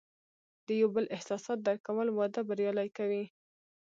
د یو بل احساسات درک کول، واده بریالی کوي.